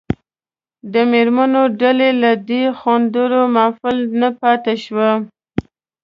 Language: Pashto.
د مېرمنو ډله له دې خوندور محفل نه پاتې شوه.